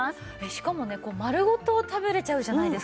しかもね丸ごと食べれちゃうじゃないですか？